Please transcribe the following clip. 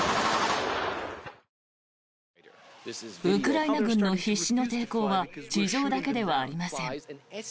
ウクライナ軍の必死の抵抗は地上だけではありません。